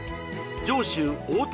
上州太田